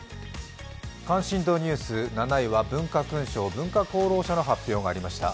関心度ニュース７位は文化勲章、文化功労者の発表がありました。